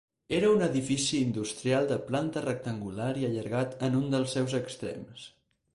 Era un edifici industrial de planta rectangular i allargat en un dels seus extrems.